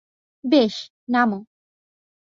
বেশ, নামো।